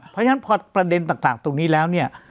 เพราะฉะนั้นพอประเด็นต่างตรงนี้แล้วเนี่ย